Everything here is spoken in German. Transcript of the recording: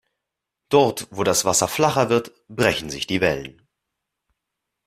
Dort, wo das Wasser flacher wird, brechen sich die Wellen.